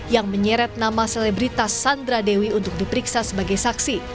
yang menyeret nama selebritas sandra dewi untuk diperiksa sebagai saksi